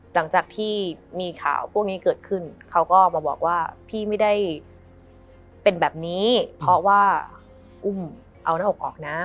หลังจากที่มีข่าวพวกนี้เกิดขึ้นเขาก็มาบอกว่าพี่ไม่ได้เป็นแบบนี้เพราะว่าอุ้มเอาหน้าอกออกนะ